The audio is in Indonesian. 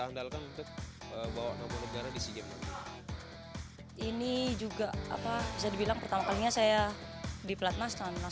selain kita harus fokus sama diri sendiri juga kan harus fokus ke tim